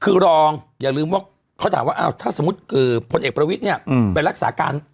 คือรองอย่าลืมว่าเขาถามว่าท่าสมมติกือพลเอกประวิทย์เนี่ยไปรักษาการนายองดั้ยเนี่ย